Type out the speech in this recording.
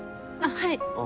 はい。